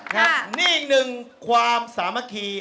ครับนี่อีกนึงความสามารคี